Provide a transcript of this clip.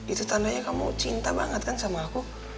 itu tandanya kamu cinta banget kan sama aku